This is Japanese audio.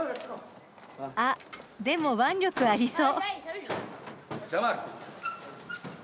あっでも腕力ありそう。